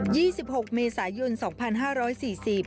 มีผู้พบศพประภาษบุญธวีเจ้าหน้าที่สาธารณสุริยะ